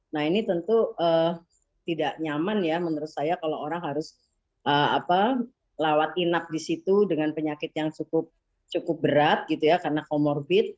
nah ini tentu tidak nyaman ya menurut saya kalau orang harus lawat inap di situ dengan penyakit yang cukup berat gitu ya karena comorbid